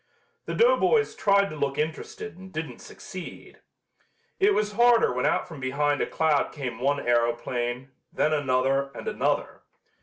The doughboys tried to look interested and didn't succeed. It was harder when out from behind a cloud came one aeroplane, then another and another.